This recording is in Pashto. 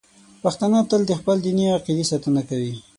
پښتانه تل د خپلې دیني عقیدې ساتنه کوي.